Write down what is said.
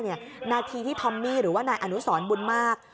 หน้าที่ทอมมี่หรือว่าอ่ะนายอานุสรบุญมาก